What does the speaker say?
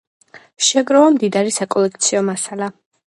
შეაგროვა მდიდარი საკოლექციო მასალა.